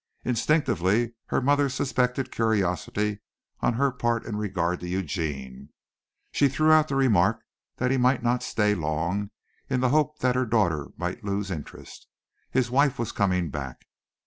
Instinctively her mother suspected curiosity on her part in regard to Eugene. She threw out the remark that he might not stay long, in the hope that her daughter might lose interest. His wife was coming back.